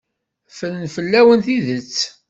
Ffren fell-awen tidet.